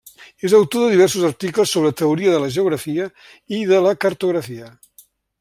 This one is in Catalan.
És autor de diversos articles sobre teoria de la geografia i de la cartografia.